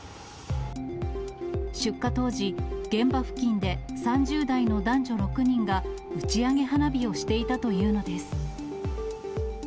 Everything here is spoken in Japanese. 出火当時、現場付近で３０代の男女６人が、打ち上げ花火をしていたというのです。